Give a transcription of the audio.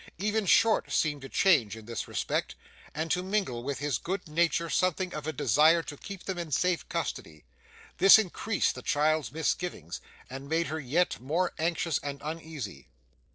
Even Short seemed to change in this respect, and to mingle with his good nature something of a desire to keep them in safe custody. This increased the child's misgivings, and made her yet more anxious and uneasy.